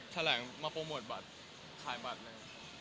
แถลงมาโปรโมทบัตรขายบัตรหนึ่ง